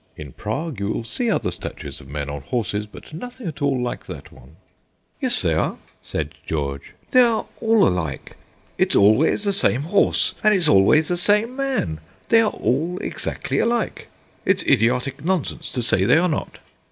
In Prague you will see other statues of men on horses, but nothing at all like that one." "Yes they are," said George; "they are all alike. It's always the same horse, and it's always the same man. They are all exactly alike. It's idiotic nonsense to say they are not."